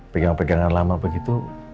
pegangan pegangan lama begitu